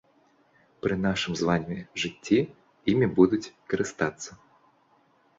Пры нашым з вамі жыцці імі будуць карыстацца.